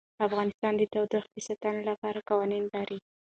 افغانستان د تودوخه د ساتنې لپاره قوانین لري.